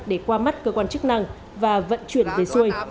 để qua mắt cơ quan chức năng và vận chuyển về xuôi